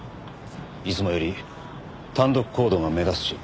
いつもより単独行動が目立つし。